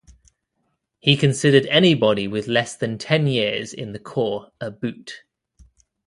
He considered anybody with less than ten years in the Corps a "boot".